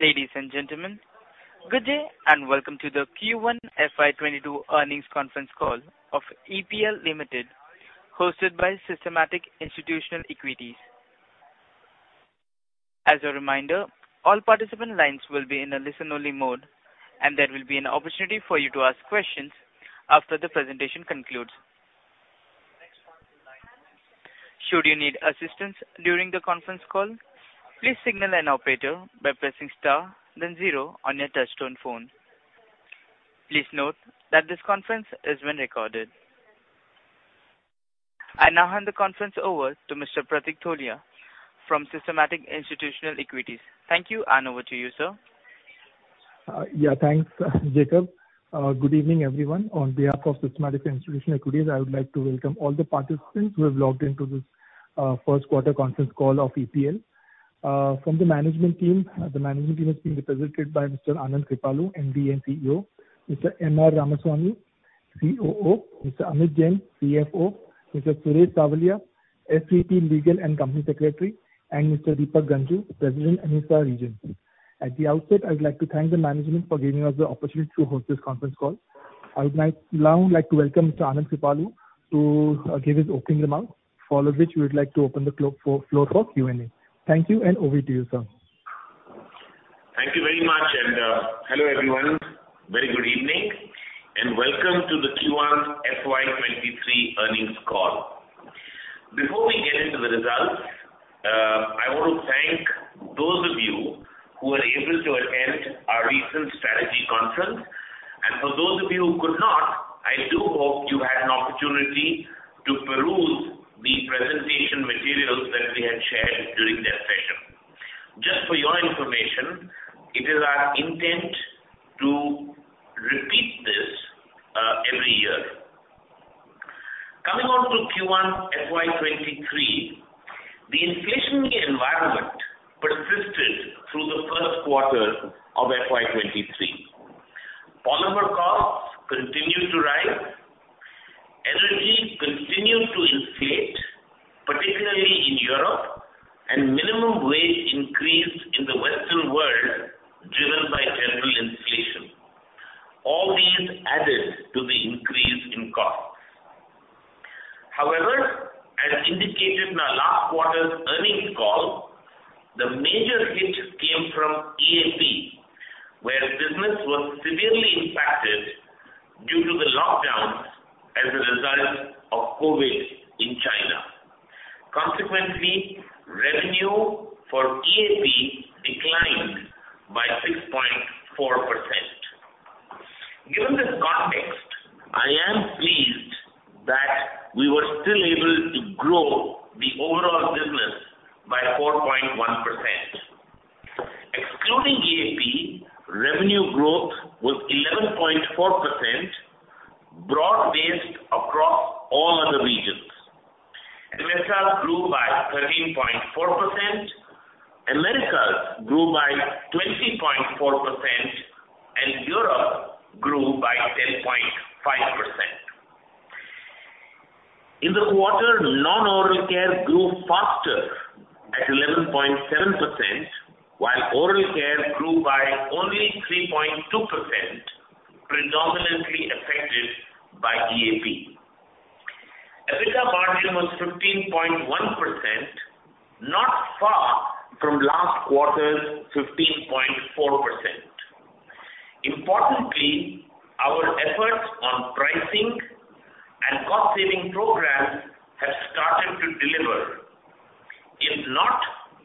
Ladies and gentlemen, good day and welcome to the Q1 FY 2023 earnings conference call of EPL Limited, hosted by Systematix Institutional Equities. As a reminder, all participant lines will be in a listen-only mode, and there will be an opportunity for you to ask questions after the presentation concludes. Should you need assistance during the conference call, please signal an operator by pressing star then zero on your touchtone phone. Please note that this conference is being recorded. I now hand the conference over to Mr. Pratik Tholiya from Systematix Institutional Equities. Thank you, and over to you, sir. Yeah, thanks, Jacob. Good evening, everyone. On behalf of Systematix Institutional Equities, I would like to welcome all the participants who have logged into this first quarter conference call of EPL. From the management team, the management team is being represented by Mr. Anand Kripalu, MD and CEO, Mr. M. R. Ramasamy, COO, Mr. Amit Jain, CFO, Mr. Suresh Savaliya, SVP, Legal and Company Secretary, and Mr. Deepak Ganjoo, President, AMESA Region. At the outset, I'd like to thank the management for giving us the opportunity to host this conference call. I would like now to welcome Mr. Anand Kripalu to give his opening remarks, after which we would like to open the floor for Q&A. Thank you, and over to you, sir. Thank you very much, and hello, everyone. Very good evening, and welcome to the Q1 FY 2023 earnings call. Before we get into the results, I want to thank those of you who were able to attend our recent strategy conference. For those of you who could not, I do hope you had an opportunity to peruse the presentation materials that we had shared during that session. Just for your information, it is our intent to repeat this every year. Coming on to Q1 FY 2023, the inflation environment persisted through the first quarter of FY 2023. Polymer costs continued to rise, energy continued to inflate, particularly in Europe, and minimum wage increased in the Western world, driven by general inflation. All these added to the increase in costs. However, as indicated in our last quarter's earnings call, the major hit came from EAP, where business was severely impacted due to the lockdowns as a result of COVID in China. Consequently, revenue for EAP declined by 6.4%. Given this context, I am pleased that we were still able to grow the overall business by 4.1%. Excluding EAP, revenue growth was 11.4%, broad-based across all other regions. The Middle East grew by 13.4%, Americas grew by 20.4%, and Europe grew by 10.5%. In the quarter, non-oral care grew faster at 11.7%, while oral care grew by only 3.2%, predominantly affected by EAP. EBITDA margin was 15.1%, not far from last quarter's 15.4%. Importantly, our efforts on pricing and cost-saving programs have started to deliver. If not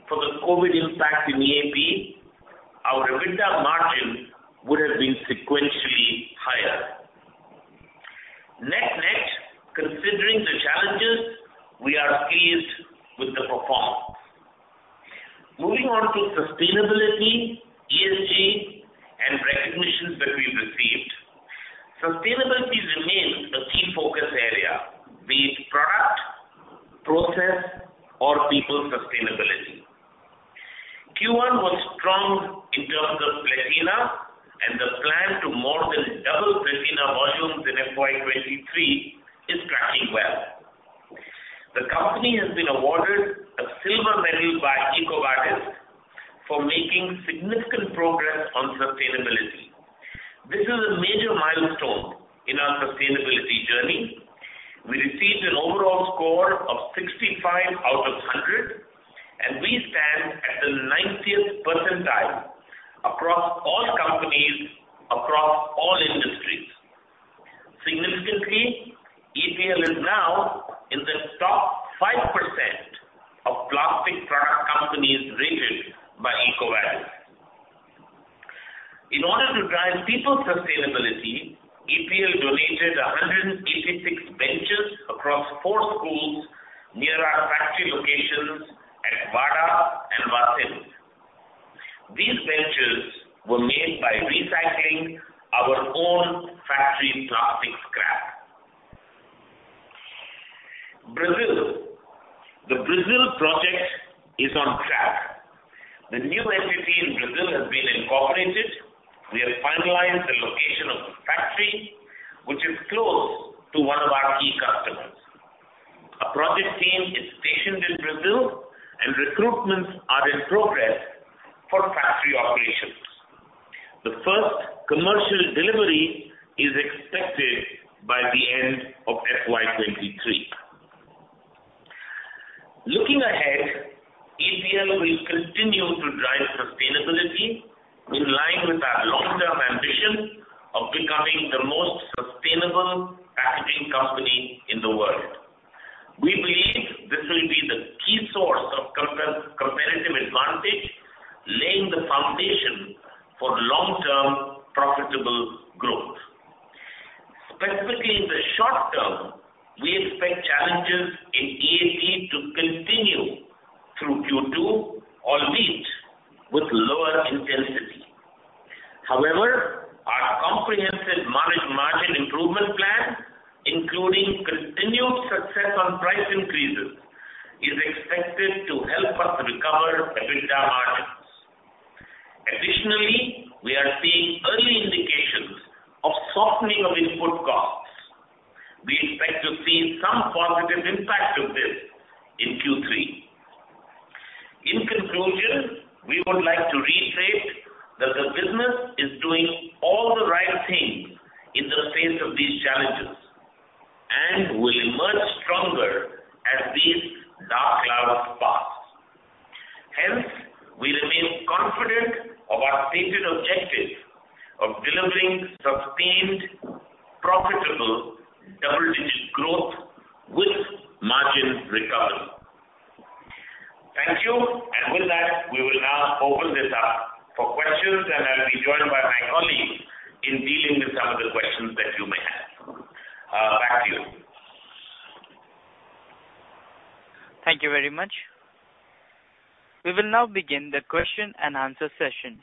for the COVID impact in EAP, our EBITDA margin would have been sequentially higher. Net-net, considering the challenges, we are pleased with the performance. Moving on to sustainability, ESG, and recognitions that we've received. Sustainability remains a key focus area, be it product, process, or people sustainability. Q1 was strong in terms of Platina, and the plan to more than double Platina volumes in FY 2023 is tracking well. The company has been awarded a silver medal by EcoVadis for making significant progress on sustainability. This is a major milestone in our sustainability journey. We received an overall score of 65 out of 100, and we stand at the 90th percentile across all companies, across all industries. Significantly, EPL is now in the top 5% of plastic product companies rated by EcoVadis. In order to drive people sustainability, EPL donated 186 benches across four schools near our factory locations at Vadodara and Vasai. These benches were made by recycling our own factory plastic scrap. Brazil. The Brazil project is on track. The new entity in Brazil has been incorporated. We have finalized the location of the factory, which is close to one of our key customers. Project team is stationed in Brazil and recruitments are in progress for factory operations. The first commercial delivery is expected by the end of FY 2023. Looking ahead, EPL will continue to drive sustainability in line with our long-term ambition of becoming the most sustainable packaging company in the world. We believe this will be the key source of competitive advantage, laying the foundation for long-term profitable growth. Specifically in the short term, we expect challenges in EAP to continue through Q2, albeit with lower intensity. However, our comprehensive margin improvement plan, including continued success on price increases, is expected to help us recover EBITDA margins. Additionally, we are seeing early indications of softening of input costs. We expect to see some positive impact of this in Q3. In conclusion, we would like to reiterate that the business is doing all the right things in the face of these challenges and will emerge stronger as these dark clouds pass. Hence, we remain confident of our stated objective of delivering sustained profitable double-digit growth with margin recovery. Thank you. With that, we will now open this up for questions, and I'll be joined by my colleagues in dealing with some of the questions that you may have. Back to you. Thank you very much. We will now begin the question-and-answer session.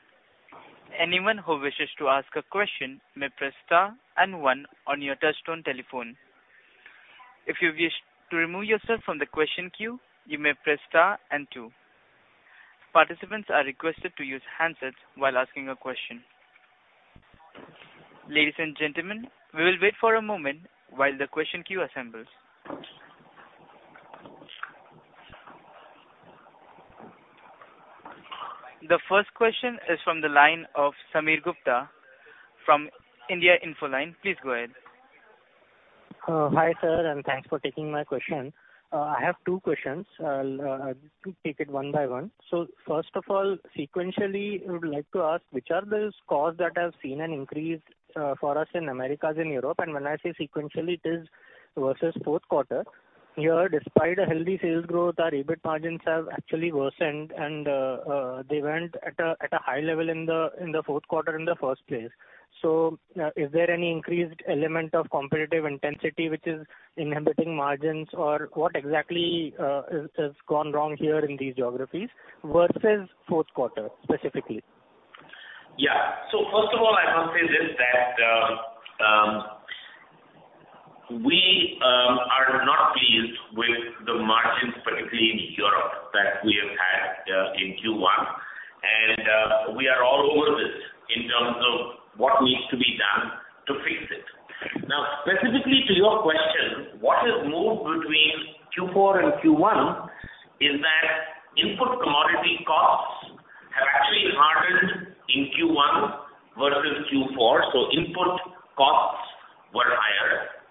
Anyone who wishes to ask a question may press star and one on your touchtone telephone. If you wish to remove yourself from the question queue, you may press star and two. Participants are requested to use handsets while asking a question. Ladies and gentlemen, we will wait for a moment while the question queue assembles. The first question is from the line of Sameer Gupta from IIFL. Please go ahead. Hi, sir, and thanks for taking my question. I have two questions. I'll take it one by one. First of all, sequentially, I would like to ask which are the scores that have seen an increase for us in Americas and Europe? When I say sequentially, it is versus fourth quarter. Here, despite a healthy sales growth, our EBIT margins have actually worsened, and they went at a high level in the fourth quarter in the first place. Is there any increased element of competitive intensity which is inhibiting margins, or what exactly has gone wrong here in these geographies versus fourth quarter specifically? Yeah. First of all, I must say this, that we are not pleased with the margins, particularly in Europe, that we have had in Q1. We are all over this in terms of what needs to be done to fix it. Now, specifically to your question, what has moved between Q4 and Q1 is that input commodity costs have actually hardened in Q1 versus Q4, so input costs were higher.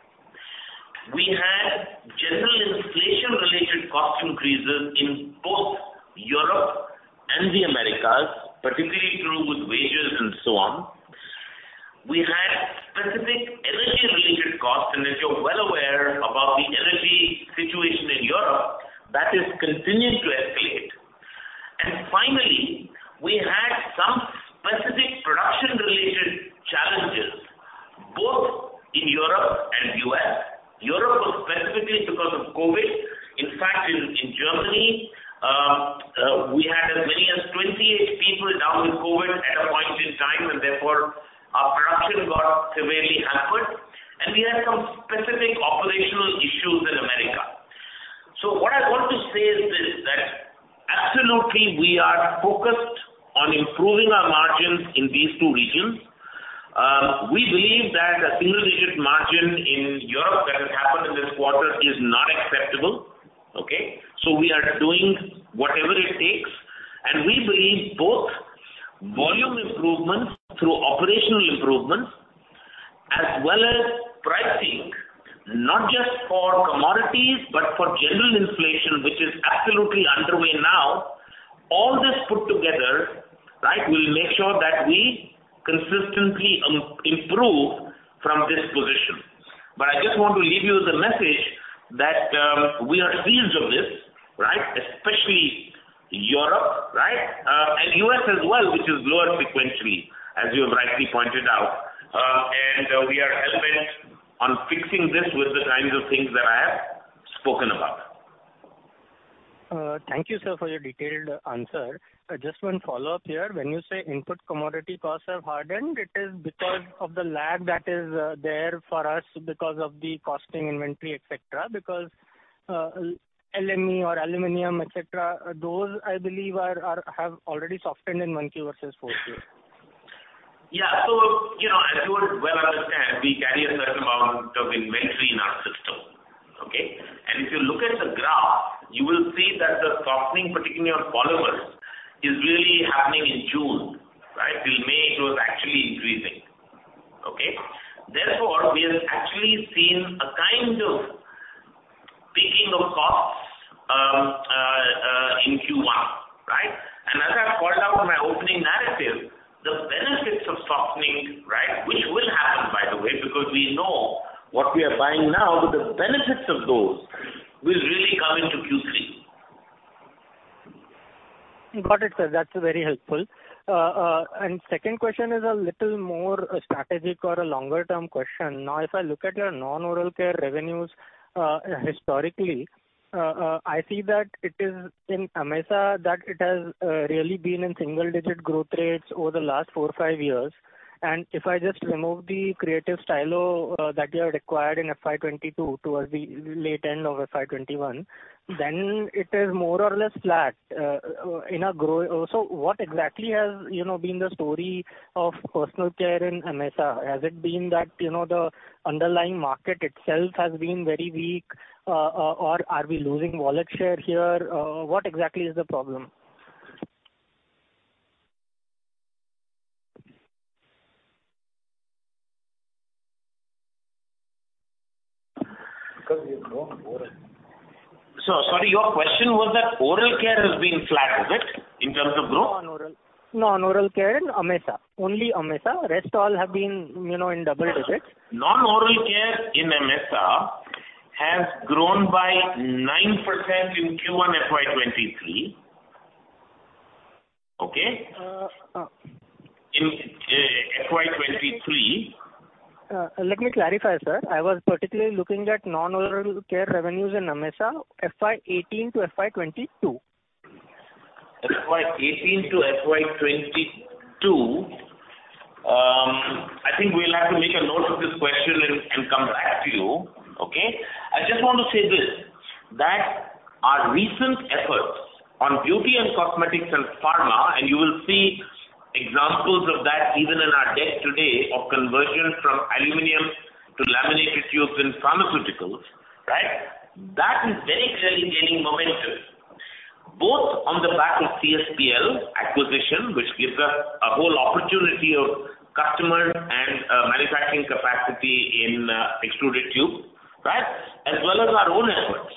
We had general inflation-related cost increases in both Europe and the Americas, particularly true with wages and so on. We had specific energy-related costs, and if you're well aware about the energy situation in Europe, that has continued to escalate. Finally, we had some specific production-related challenges, both in Europe and U.S. Europe was specifically because of COVID. In fact, in Germany, we had as many as 28 people down with COVID at a point in time, and therefore our production got severely hampered. We had some specific operational issues in America. What I want to say is this, that absolutely we are focused on improving our margins in these two regions. We believe that a single-digit margin in Europe that has happened in this quarter is not acceptable. Okay? We are doing whatever it takes, and we believe both volume improvements through operational improvements as well as pricing, not just for commodities, but for general inflation, which is absolutely underway now. All this put together, right, will make sure that we consistently improve from this position. I just want to leave you with a message that, we are pleased of this, right? Especially Europe, right? US as well, which is lower sequentially, as you have rightly pointed out. We are hell-bent on fixing this with the kinds of things that I have spoken about. Thank you, sir, for your detailed answer. Just one follow-up here. When you say input commodity costs have hardened, it is because of the lag that is there for us because of the costing inventory, et cetera. Because LME or aluminum, et cetera, those I believe have already softened in one quarter versus fourth quarter. Yeah. You know, as you would well understand, we carry a certain amount of inventory in our system. Okay? If you look at the graph, you will see that the softening, particularly on polymers, is really happening in June, right? Till May, it was actually increasing. Okay? Therefore, we have actually seen a kind of peaking of costs in Q1, right? As I called out in my opening narrative, the benefits of softening, right, which will happen by the way, because we know what we are buying now, but the benefits of those will really come into Q3. Got it, sir. That's very helpful. Second question is a little more strategic or a longer-term question. Now, if I look at your non-oral care revenues, historically, I see that it is in AMESA that it has really been in single-digit growth rates over the last four, five years. If I just remove the Creative Stylo that you have acquired in FY 2022 towards the late end of FY 2021, then it is more or less flat. What exactly has, you know, been the story of personal care in AMESA? Has it been that, you know, the underlying market itself has been very weak, or are we losing wallet share here? What exactly is the problem? Sorry, your question was that oral care has been flat, is it, in terms of growth? Non-oral. Non-oral care in AMESA. Only AMESA. Rest all have been, you know, in double digits. Non-oral care in AMESA has grown by 9% in Q1 FY 2023. Okay? Uh, uh. In FY 2023- Let me clarify, sir. I was particularly looking at non-oral care revenues in AMESA, FY 2018 to FY 2022. FY 2018 to FY 2022, I think we'll have to make a note of this question and come back to you. Okay. I just want to say this, that our recent efforts on beauty and cosmetics and pharma, and you will see examples of that even in our deck today, of conversion from aluminum to laminated tubes in pharmaceuticals, right. That is very clearly gaining momentum, both on the back of CSPL acquisition, which gives us a whole opportunity of customer and manufacturing capacity in extruded tube, right, as well as our own efforts.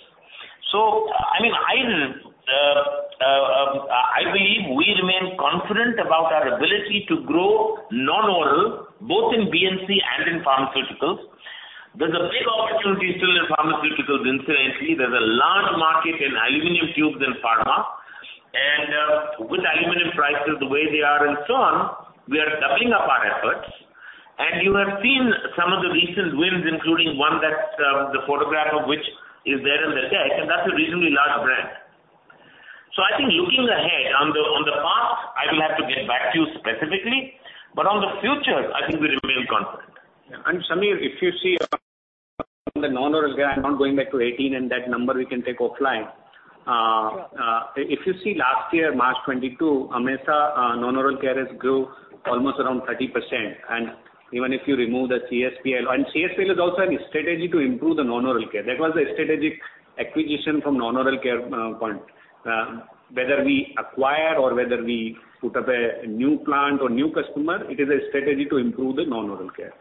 I mean, I believe we remain confident about our ability to grow non-oral, both in BPC and in pharmaceuticals. There's a big opportunity still in pharmaceuticals, incidentally. There's a large market in aluminum tubes in pharma. With aluminum prices the way they are and so on, we are doubling up our efforts. You have seen some of the recent wins, including one that, the photograph of which is there in the deck, and that's a reasonably large brand. I think looking ahead, on the past, I will have to get back to you specifically, but on the future, I think we remain confident. Sameer, if you see the non-oral grant, not going back to 2018 and that number we can take offline. Sure. If you see last year, March 2022, AMESA non-oral care has grew almost around 30%. Even if you remove the CSPL is also a strategy to improve the non-oral care. That was a strategic acquisition from non-oral care point. Whether we acquire or whether we put up a new plant or new customer, it is a strategy to improve the non-oral care.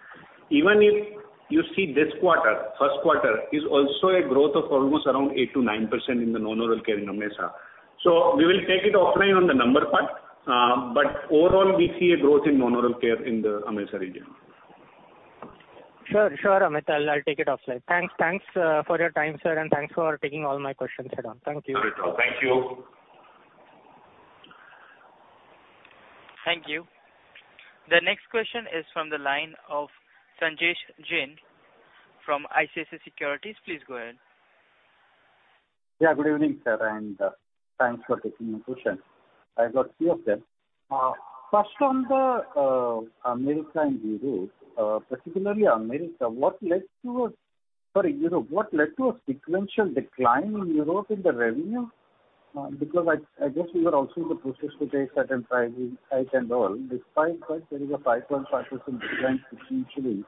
Even if you see this quarter, first quarter, is also a growth of almost around 8%-9% in the non-oral care in AMESA. We will take it offline on the number part, but overall, we see a growth in non-oral care in the AMESA region. Sure, Amit. I'll take it offline. Thanks for your time, sir, and thanks for taking all my questions and so on. Thank you. Thank you. Thank you. The next question is from the line of Sanjesh Jain from ICICI Securities. Please go ahead. Yeah, good evening, sir, and thanks for taking my question. I've got few of them. First on the America and Europe, particularly Europe, what led to a sequential decline in Europe in the revenue? Because I guess you were also in the process to take certain price and all, despite that there is a 5.5% decline sequentially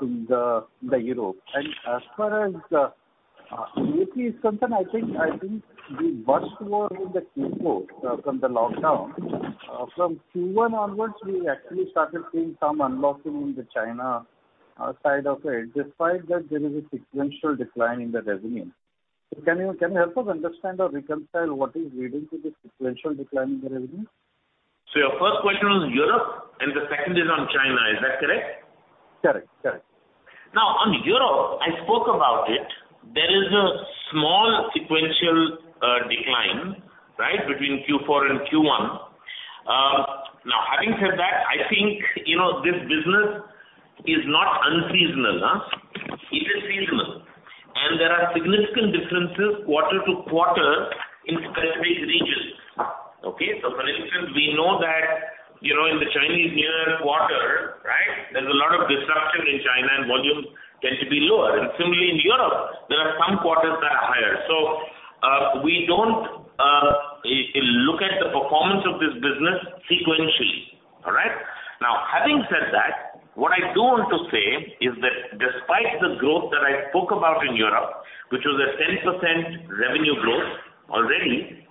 in Europe. As far as EAP is concerned, I think the worst was in the Q4 from the lockdown. From Q1 onwards, we actually started seeing some unlocking in the China side of it, despite that there is a sequential decline in the revenue. Can you help us understand or reconcile what is leading to the sequential decline in the revenue? Your first question was Europe, and the second is on China. Is that correct? Yes. Now, on Europe, I spoke about it. There is a small sequential decline, right, between Q4 and Q1. Now, having said that, I think, you know, this business is not unseasonal. It is seasonal. There are significant differences quarter to quarter in specified regions. Okay. For instance, we know that, you know, in the Chinese New Year quarter, right, there's a lot of disruption in China and volumes tend to be lower. Similarly in Europe, there are some quarters that are higher. If you look at the performance of this business sequentially, all right? Now, having said that, what I do want to say is that despite the growth that I spoke about in Europe, which was a 10% revenue growth already,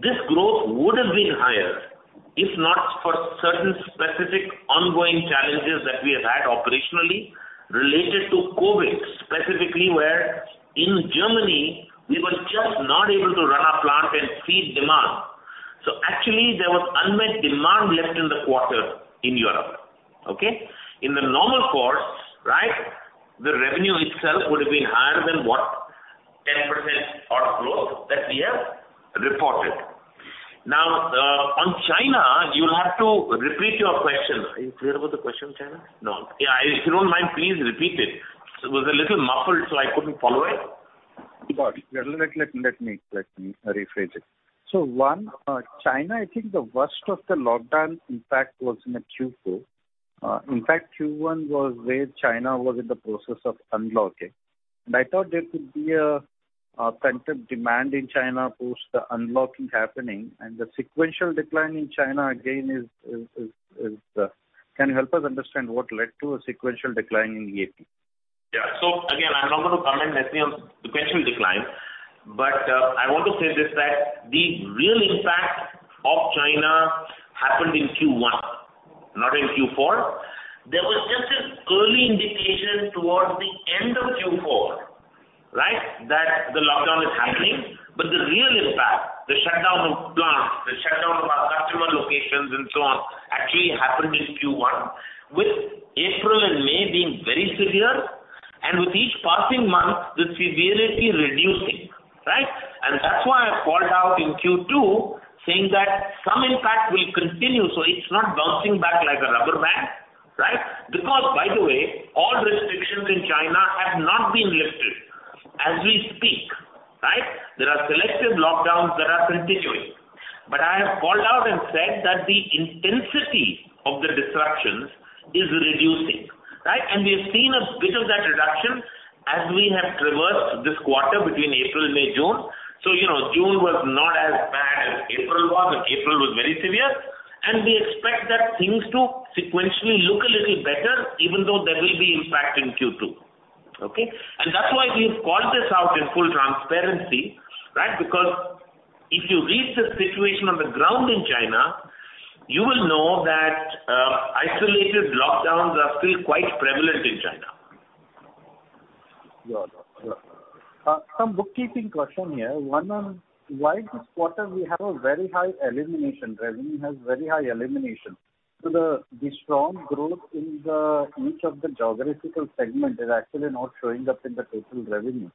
this growth would have been higher if not for certain specific ongoing challenges that we have had operationally related to COVID, specifically, where in Germany, we were just not able to run our plant and feed demand. Actually, there was unmet demand left in the quarter in Europe. Okay. In the normal course, right, the revenue itself would have been higher than what, 10% odd growth that we have reported. Now, on China, you'll have to repeat your question. Are you clear about the question, China. No. Yeah, if you don't mind, please repeat it. It was a little muffled, so I couldn't follow it. Got it. Let me rephrase it. On China, I think the worst of the lockdown impact was in the Q2. In fact, Q1 was where China was in the process of unlocking, and I thought there could be a pent-up demand in China post the unlocking happening, and the sequential decline in China again, can you help us understand what led to a sequential decline in EAP? Yeah. Again, I'm not gonna comment necessarily on sequential decline, but, I want to say this, that the real impact of China happened in Q1, not in Q4. There was just this early indication towards the end of Q4, right, that the lockdown is happening. But the real impact, the shutdown of plants, the shutdown of our customer locations and so on, actually happened in Q1, with April and May being very severe, and with each passing month, the severity reducing, right? That's why I called out in Q2 saying that some impact will continue, so it's not bouncing back like a rubber band, right? Because by the way, all restrictions in China have not been lifted as we speak, right? There are selective lockdowns that are continuing. But I have called out and said that the intensity of the disruptions is reducing, right? We have seen a bit of that reduction as we have traversed this quarter between April, May, June. You know, June was not as bad as April was, but April was very severe. We expect that things to sequentially look a little better, even though there will be impact in Q2. Okay? That's why we've called this out in full transparency, right? Because if you read the situation on the ground in China, you will know that, isolated lockdowns are still quite prevalent in China. Sure. Some bookkeeping question here. One on why this quarter we have a very high elimination revenue. The strong growth in each of the geographical segment is actually not showing up in the total revenue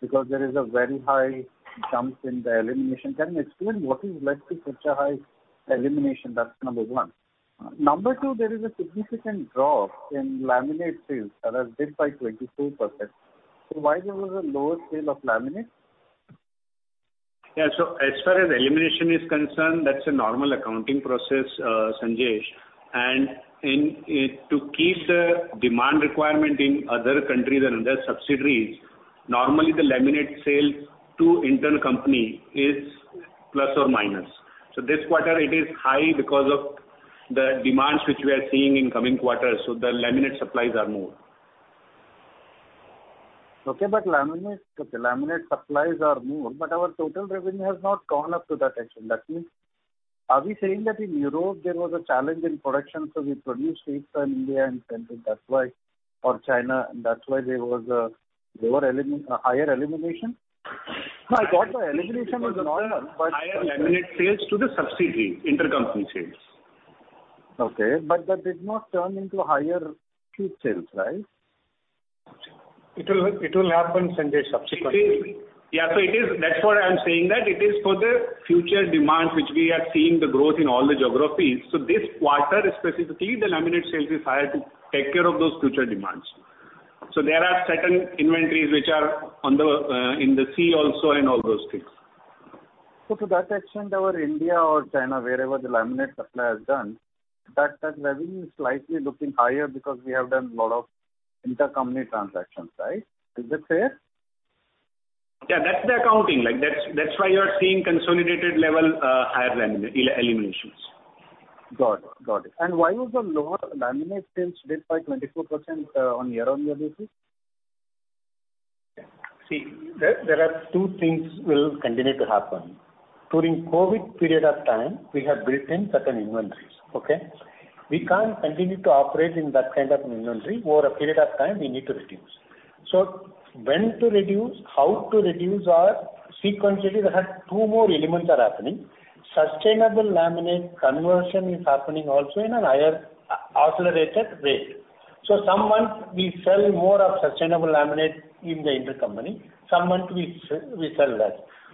because there is a very high jump in the elimination. Can you explain what has led to such a high elimination? That's number one. Number two, there is a significant drop in laminate sales that has dipped by 24%. Why there was a lower sale of laminate? Yeah. As far as elimination is concerned, that's a normal accounting process, Sanjesh. In order to keep the demand requirement in other countries and other subsidiaries, normally the laminate sales to internal company is plus or minus. This quarter it is high because of the demands which we are seeing in coming quarters, so the laminate supplies are more. Okay. Laminate supplies are more, but our total revenue has not gone up to that extent. That means are we saying that in Europe there was a challenge in production, so we produced it in India and sent it, that's why or China, and that's why there were higher elimination? No, I got the elimination was not, but- Higher laminate sales to the subsidiary, intercompany sales. Okay, that did not turn into higher sheet sales, right? It'll happen, Sanjesh, subsequently. Yeah, so it is, that's what I'm saying that it is for the future demands which we are seeing the growth in all the geographies. This quarter specifically, the laminate sales is higher to take care of those future demands. There are certain inventories which are in the sea also and all those things. To that extent, our India or China, wherever the laminate supply has done, that revenue is slightly looking higher because we have done a lot of intercompany transactions, right? Is this fair? Yeah. That's the accounting. Like, that's why you are seeing consolidated level higher laminate eliminations. Got it. Why was the lower laminate sales dipped by 24%, on year-over-year basis? See, there are two things will continue to happen. During COVID period of time, we have built in certain inventories, okay? We can't continue to operate in that kind of an inventory. Over a period of time, we need to reduce. When to reduce, how to reduce are sequentially there are two more elements are happening. Sustainable laminate conversion is happening also in a higher accelerated rate. Some months we sell more of sustainable laminate in the intercompany, some months we sell less.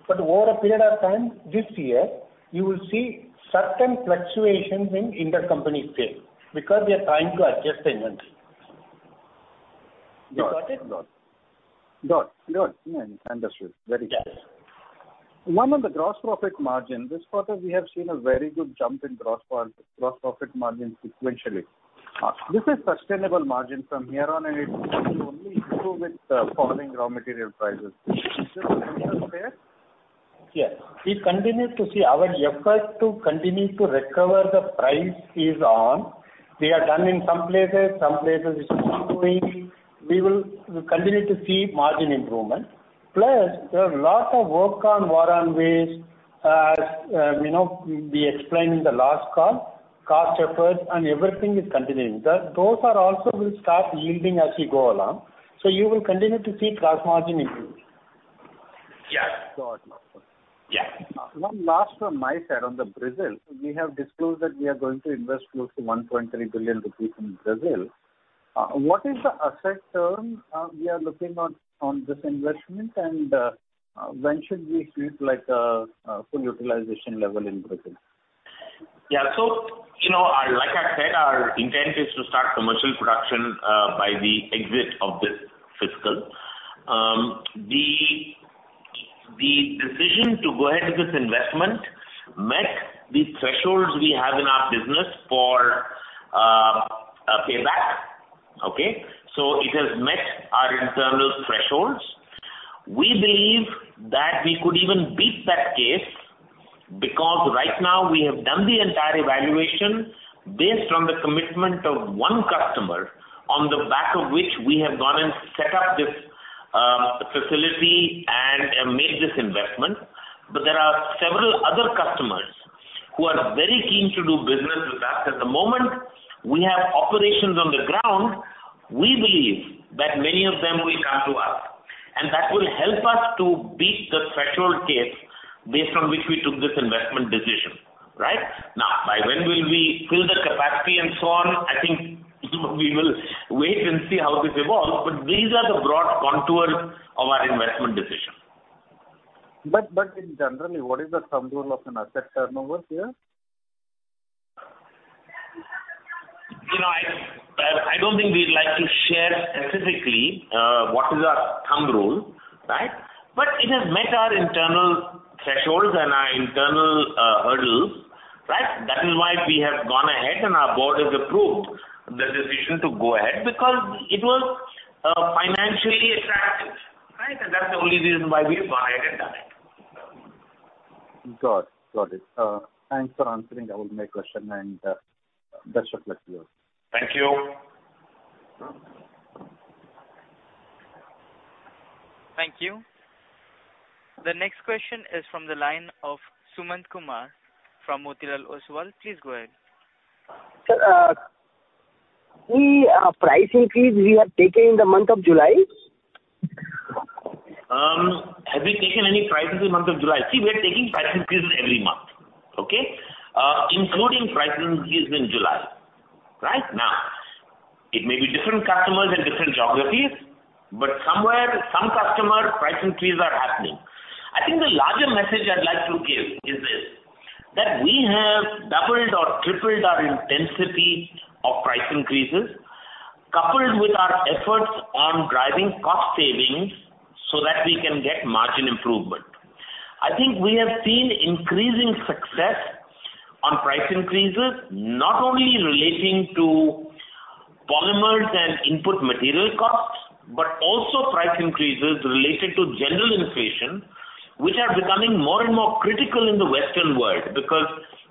Over a period of time this year, you will see certain fluctuations in intercompany sales because we are trying to adjust inventory. You got it? Got it. Yeah, I understood. Very clear. Yes. One on the gross profit margin. This quarter we have seen a very good jump in gross profit margin sequentially. This is sustainable margin from here on, and it will only improve with falling raw material prices. Is this assessment fair? Yes. We continue to see our effort to continue to recover the price is on. We are done in some places, some places it's ongoing. We'll continue to see margin improvement. Plus, there are lots of work on War on Waste. You know, we explained in the last call, cost efforts and everything is continuing. Those will also start yielding as we go along. You will continue to see gross margin improve. Yes. Got you. Yes. One last from my side on Brazil. We have disclosed that we are going to invest close to 1.3 billion rupees in Brazil. What is the asset term we are looking at this investment and when should we see it like full utilization level in Brazil? Yeah. You know, like I said, our intent is to start commercial production by the exit of this fiscal. The decision to go ahead with this investment met the thresholds we have in our business for a payback. Okay? It has met our internal thresholds. We believe that we could even beat that case because right now we have done the entire evaluation based on the commitment of one customer on the back of which we have gone and set up this facility and made this investment. But there are several other customers who are very keen to do business with us. At the moment, we have operations on the ground, we believe that many of them will come to us, and that will help us to beat the threshold case based on which we took this investment decision. Right? Now, by when will we fill the capacity and so on, I think we will wait and see how this evolves, but these are the broad contours of our investment decision. In general, what is the rule of thumb for asset turnover here? You know, I don't think we'd like to share specifically what is our thumb rule, right? It has met our internal thresholds and our internal hurdles, right? That is why we have gone ahead and our board has approved the decision to go ahead because it was financially attractive, right? That's the only reason why we've gone ahead and done it. Got it. Thanks for answering all my questions and best of luck to you. Thank you. Thank you. The next question is from the line of Sumant Kumar from Motilal Oswal. Please go ahead. Sir, the price increase we have taken in the month of July. Have we taken any price increase in the month of July? See, we are taking price increases every month. Okay? Including price increases in July. Right now, it may be different customers and different geographies, but somewhere some customer price increases are happening. I think the larger message I'd like to give is this, that we have doubled or tripled our intensity of price increases, coupled with our efforts on driving cost savings so that we can get margin improvement. I think we have seen increasing success on price increases, not only relating to polymers and input material costs, but also price increases related to general inflation, which are becoming more and more critical in the Western world because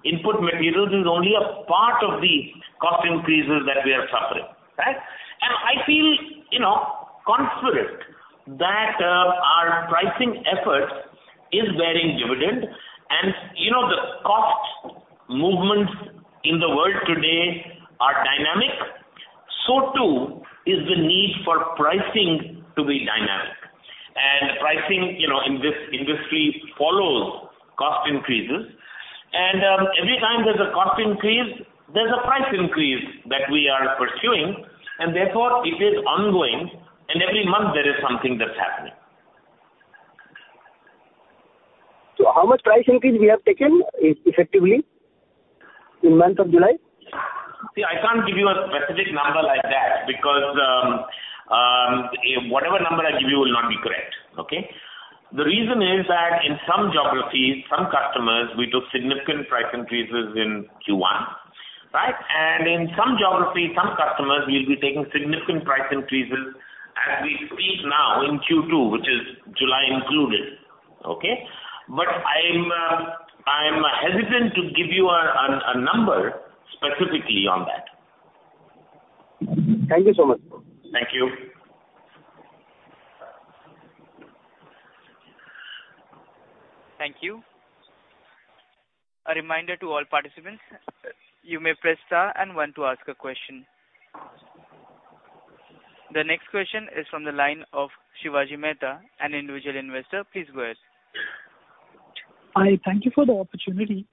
input materials is only a part of the cost increases that we are suffering, right. I feel, you know, confident that our pricing effort is paying dividends. You know, the cost movements in the world today are dynamic. Too is the need for pricing to be dynamic. Pricing, you know, in this industry follows cost increases. Every time there's a cost increase, there's a price increase that we are pursuing, and therefore it is ongoing, and every month there is something that's happening. How much price increase we have taken effectively in month of July? See, I can't give you a specific number like that because whatever number I give you will not be correct. Okay? The reason is that in some geographies, some customers, we took significant price increases in Q1, right? In some geographies, some customers, we'll be taking significant price increases as we speak now in Q2, which is July included. Okay? I'm hesitant to give you a number specifically on that. Thank you so much. Thank you. Thank you. A reminder to all participants, you may press star and one to ask a question. The next question is from the line of Shivaji Mehta, an Individual Investor. Please go ahead. Hi. Thank you for the opportunity.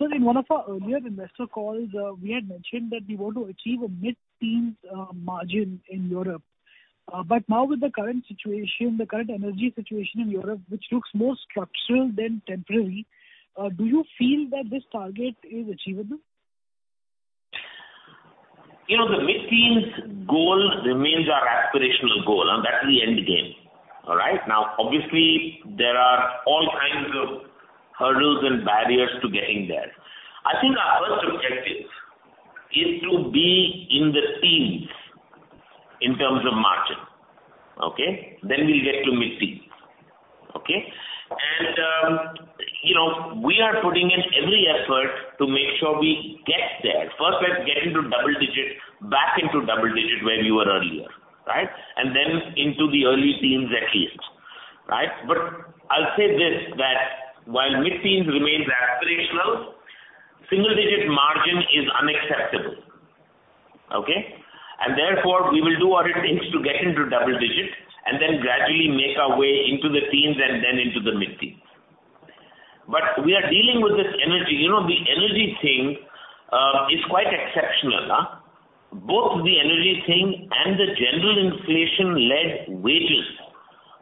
In one of our earlier investor calls, we had mentioned that we want to achieve a mid-teen margin in Europe. Now with the current situation, the current energy situation in Europe, which looks more structural than temporary, do you feel that this target is achievable? Now, obviously, there are all kinds of hurdles and barriers to getting there. I think our first objective is to be in the teens in terms of margin. Okay? Then we get to mid-teens. Okay? You know, we are putting in every effort to make sure we get there. First, let's get into double digit, back into double digit where we were earlier, right? Then into the early teens at least, right? I'll say this, that while mid-teens remains aspirational, single-digit margin is unacceptable. Okay? Therefore, we will do what it takes to get into double digit and then gradually make our way into the teens and then into the mid-teens. We are dealing with this energy. You know, the energy thing is quite exceptional, huh? Both the energy thing and the general inflation-led wages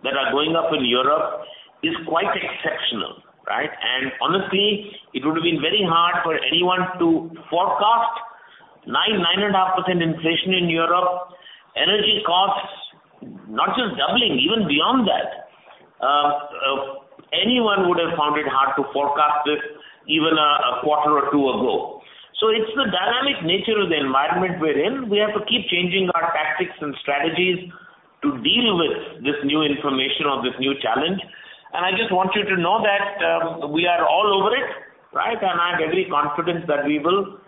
that are going up in Europe is quite exceptional, right? Honestly, it would have been very hard for anyone to forecast 9.5% inflation in Europe. Energy costs not just doubling, even beyond that. Anyone would have found it hard to forecast this even a quarter or two ago. It's the dynamic nature of the environment we're in. We have to keep changing our tactics and strategies to deal with this new information or this new challenge. I just want you to know that, we are all over it, right? I have every confidence that we will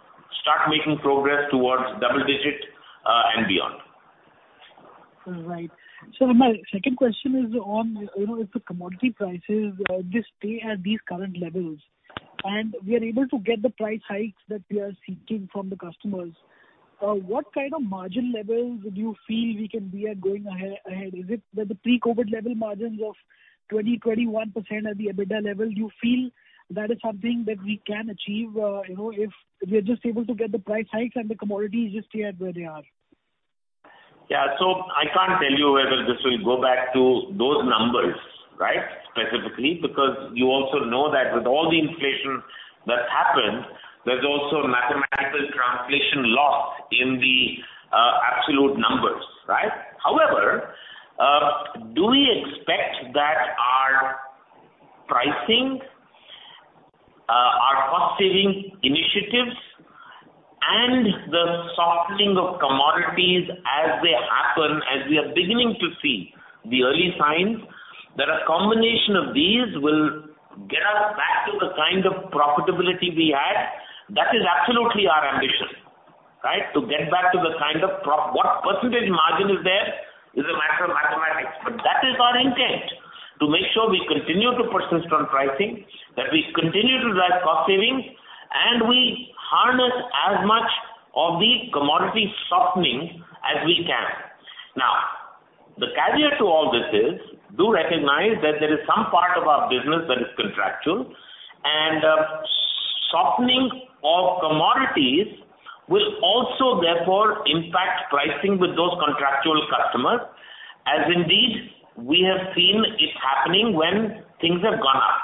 start making progress towards double-digit, and beyond. Right. My second question is on, you know, if the commodity prices just stay at these current levels, and we are able to get the price hikes that we are seeking from the customers, what kind of margin levels would you feel we can be at going ahead? Is it that the pre-COVID level margins of 20-21% at the EBITDA level, do you feel that is something that we can achieve, you know, if we are just able to get the price hikes and the commodities just stay at where they are? Yeah. I can't tell you whether this will go back to those numbers, right, specifically, because you also know that with all the inflation that's happened, there's also mathematical translation loss in the absolute numbers, right? However, do we expect that our pricing, our cost saving initiatives and the softening of commodities as they happen, as we are beginning to see the early signs, that a combination of these will get us back to the kind of profitability we had? That is absolutely our ambition, right? To get back to the kind of profitability. What percentage margin there is a matter of mathematics. That is our intent, to make sure we continue to persist on pricing, that we continue to drive cost savings, and we harness as much of the commodity softening as we can. Now, the caveat to all this is, do recognize that there is some part of our business that is contractual, and softening of commodities will also therefore impact pricing with those contractual customers, as indeed we have seen it happening when things have gone up.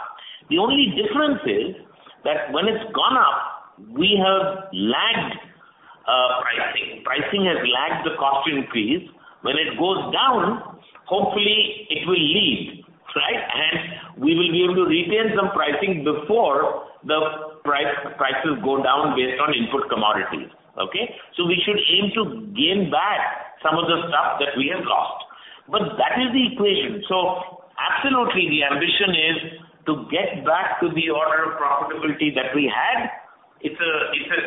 The only difference is that when it's gone up, pricing has lagged the cost increase. When it goes down, hopefully it will lead, right? We will be able to retain some pricing before the prices go down based on input commodities. Okay? We should aim to gain back some of the stuff that we have lost. That is the equation. Absolutely, the ambition is to get back to the order of profitability that we had. It's a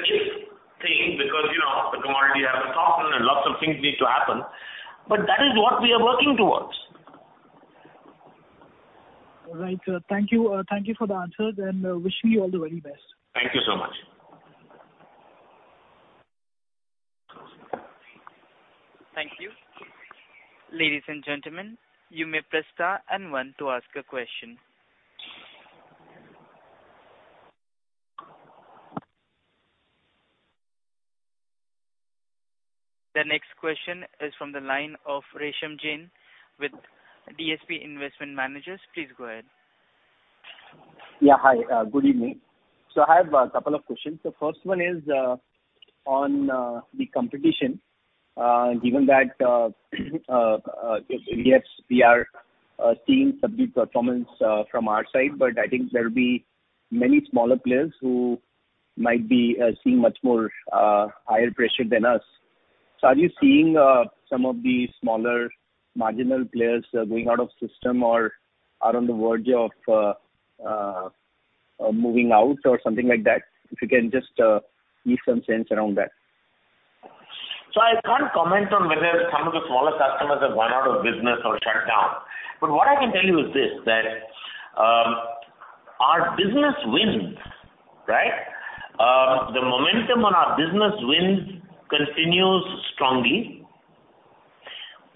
shift thing because, you know, the commodity has to soften and lots of things need to happen. That is what we are working towards. All right, sir. Thank you. Thank you for the answers, and wishing you all the very best. Thank you so much. Thank you. Ladies and gentlemen, you may press star and one to ask a question. The next question is from the line of Resham Jain with DSP Investment Managers. Please go ahead. Yeah, hi. Good evening. I have a couple of questions. The first one is on the competition. Given that, yes, we are seeing some good performance from our side, but I think there'll be many smaller players who might be seeing much more higher pressure than us. Are you seeing some of these smaller marginal players going out of business or are on the verge of moving out or something like that? If you can just give some sense around that. I can't comment on whether some of the smaller customers have gone out of business or shut down. What I can tell you is this, that, our business wins, right? The momentum on our business wins continues strongly,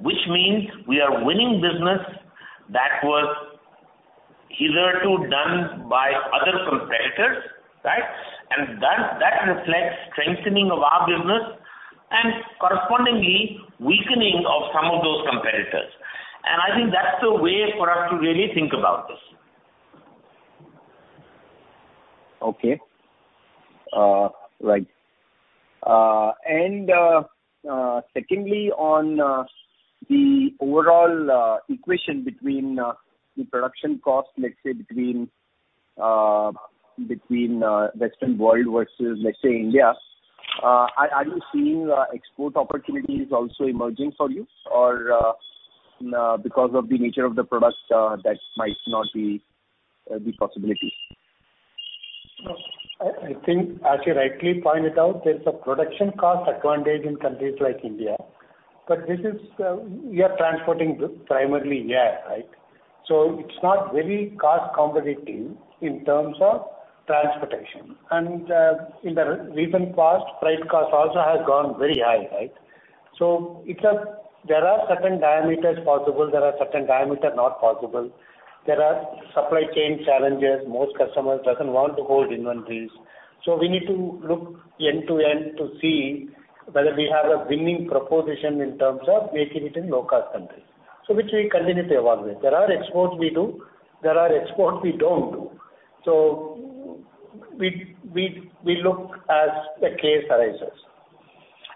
which means we are winning business that was hitherto done by other competitors, right? That reflects strengthening of our business and correspondingly weakening of some of those competitors. I think that's the way for us to really think about this. Okay. Right. Secondly, on the overall equation between the production cost, let's say between Western world versus, let's say, India, are you seeing export opportunities also emerging for you or because of the nature of the product, that might not be the possibility? I think as you rightly pointed out, there's a production cost advantage in countries like India. This is, we are transporting primarily air, right? It's not very cost competitive in terms of transportation. In the recent past, freight cost also has gone very high, right? There are certain diameters possible, there are certain diameter not possible. There are supply chain challenges. Most customers doesn't want to hold inventories. We need to look end-to-end to see whether we have a winning proposition in terms of making it in low-cost countries. Which we continue to evaluate. There are exports we do, there are exports we don't do. We look as the case arises.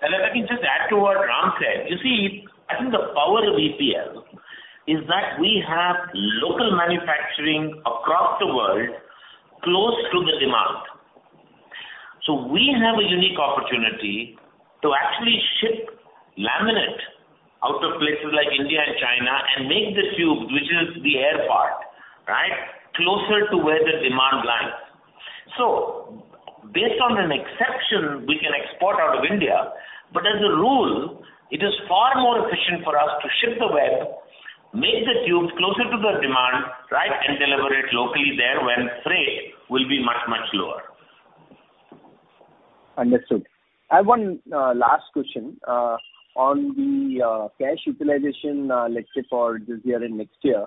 Let me just add to what Ram said. You see, I think the power of EPL is that we have local manufacturing across the world close to the demand. We have a unique opportunity to actually ship laminate out of places like India and China and make the tube, which is the air part, right, closer to where the demand lies. Based on an exception, we can export out of India. As a rule, it is far more efficient for us to ship the web, make the tubes closer to the demand, right, and deliver it locally there when freight will be much, much lower. Understood. I have one last question. On the cash utilization, let's say for this year and next year,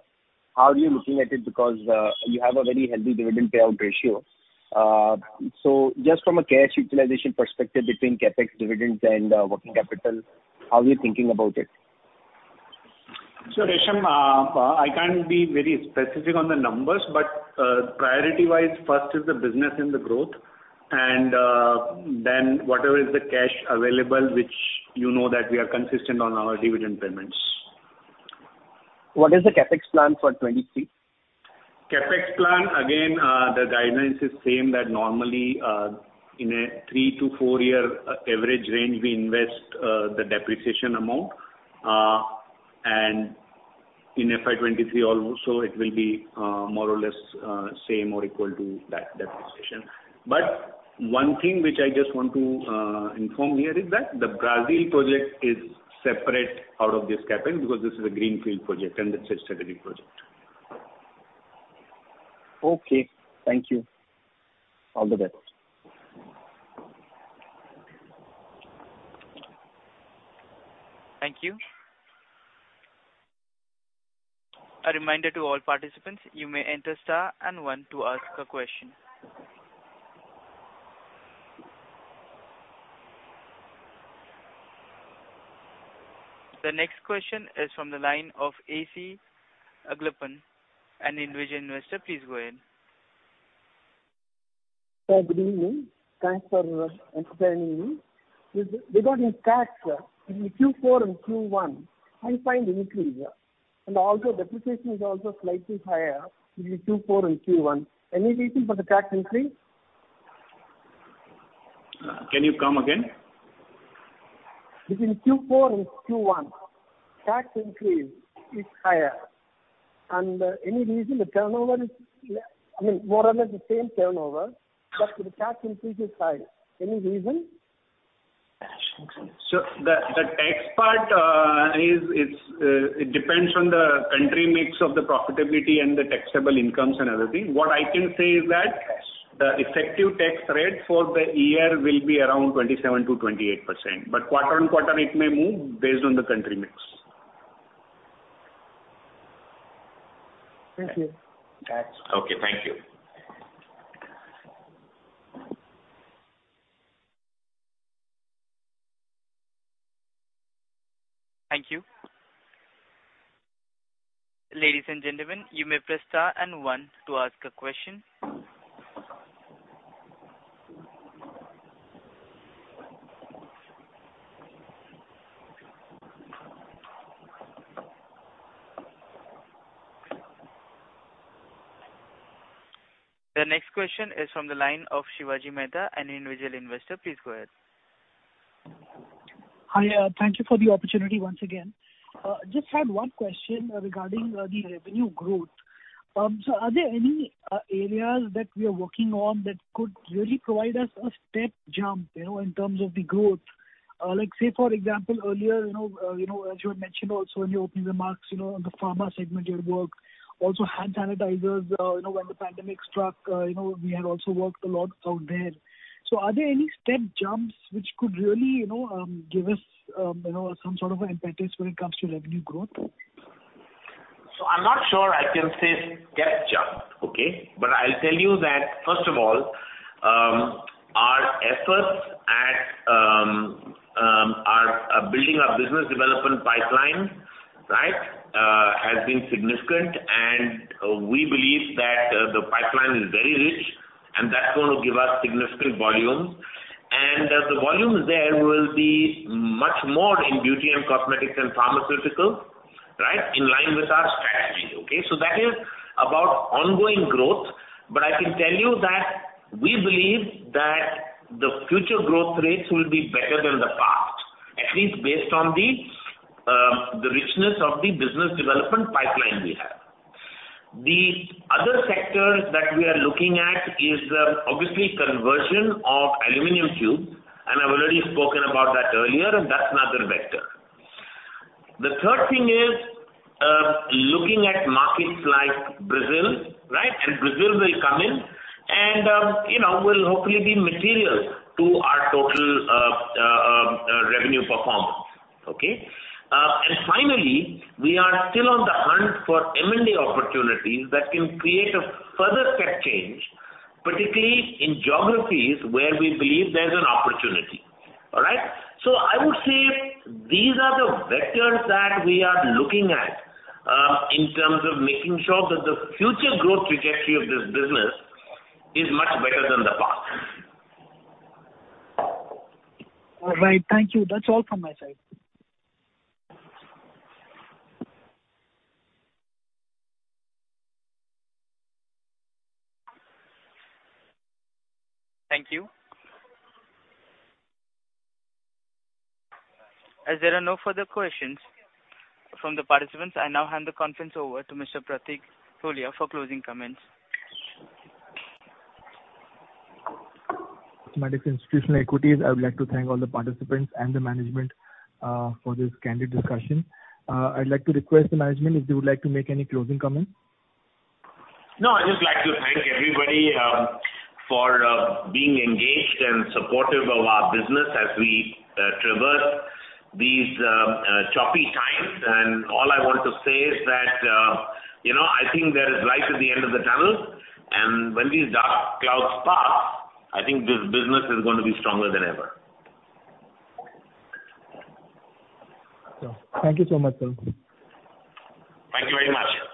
how are you looking at it? Because you have a very healthy dividend payout ratio. Just from a cash utilization perspective between CapEx dividends and working capital, how are you thinking about it? Resham, I can't be very specific on the numbers, but priority-wise, first is the business and the growth and then whatever is the cash available, which you know that we are consistent on our dividend payments. What is the CapEx plan for 2023? CapEx plan, again, the guidance is same that normally, in a three to four-year average range, we invest the depreciation amount. In FY 2023 also it will be more or less same or equal to that depreciation. One thing which I just want to inform here is that the Brazil project is separate out of this CapEx because this is a greenfield project and it's a strategic project. Okay. Thank you. All the best. Thank you. A reminder to all participants, you may enter star and one to ask a question. The next question is from the line of AC Agalpan, an individual investor. Please go ahead. Good evening. Thanks for entertaining me. Regarding tax, between Q4 and Q1, I find increase. Also depreciation is also slightly higher between Q4 and Q1. Any reason for the tax increase? Can you come again? Between Q4 and Q1, tax increase is higher. Any reason the turnover is, I mean, more or less the same turnover, but the tax increase is high. Any reason? The tax part is, it depends on the country mix of the profitability and the taxable incomes and other things. What I can say is that the effective tax rate for the year will be around 27%-28%, but quarter-over-quarter it may move based on the country mix. Thank you. Okay. Thank you. Thank you. Ladies and gentlemen, you may press star and one to ask a question. The next question is from the line of Shivaji Mehta, an individual investor. Please go ahead. Hi. Thank you for the opportunity once again. Just had one question regarding the revenue growth. Are there any areas that we are working on that could really provide us a step jump, you know, in terms of the growth? Like, say for example, earlier, you know, as you had mentioned also in your opening remarks, you know, the pharma segment, your work, also hand sanitizers, you know, when the pandemic struck, you know, we had also worked a lot out there. Are there any step jumps which could really, you know, give us, you know, some sort of an impetus when it comes to revenue growth? I'm not sure I can say step jump. Okay? I'll tell you that first of all, Building our business development pipeline, right, has been significant, and we believe that the pipeline is very rich, and that's going to give us significant volume. The volume there will be much more in beauty and cosmetics and pharmaceutical, right? In line with our strategy. Okay, that is about ongoing growth. I can tell you that we believe that the future growth rates will be better than the past, at least based on the richness of the business development pipeline we have. The other sectors that we are looking at is, obviously conversion of aluminum tubes, and I've already spoken about that earlier, and that's another vector. The third thing is, looking at markets like Brazil, right? Brazil will come in and, you know, will hopefully be material to our total revenue performance. Okay. Finally, we are still on the hunt for M&A opportunities that can create a further step change, particularly in geographies where we believe there's an opportunity. All right. I would say these are the vectors that we are looking at, in terms of making sure that the future growth trajectory of this business is much better than the past. All right. Thank you. That's all from my side. Thank you. As there are no further questions from the participants, I now hand the conference over to Mr. Pratik Tholiya for closing comments. From Systematix Institutional Equities, I would like to thank all the participants and the management for this candid discussion. I'd like to request the management if they would like to make any closing comments. No, I'd just like to thank everybody for being engaged and supportive of our business as we traverse these choppy times. All I want to say is that, you know, I think there is light at the end of the tunnel. When these dark clouds pass, I think this business is going to be stronger than ever. Thank you so much, sir. Thank you very much.